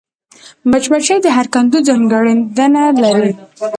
مچمچۍ د هر کندو ځانګړېندنه لري